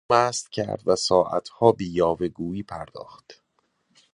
او مست کرد و ساعتها به یاوه گویی پرداخت.